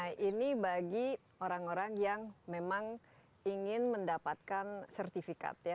nah ini bagi orang orang yang memang ingin mendapatkan sertifikat ya